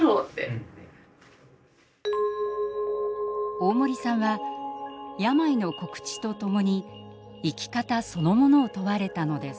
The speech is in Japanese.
大森さんは病の告知とともに生き方そのものを問われたのです。